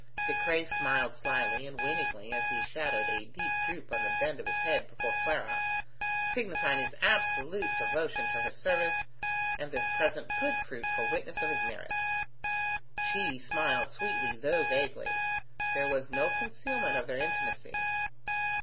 De Craye smiled slyly and winningly as he shadowed a deep droop on the bend of his head before Clara, signifying his absolute devotion to her service, and this present good fruit for witness of his merits. She smiled sweetly though vaguely. There was no concealment of their intimacy.